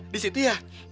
di situ ya